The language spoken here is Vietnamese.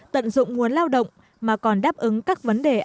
tận dụng nguồn lao động mà còn đáp ứng các vấn đề an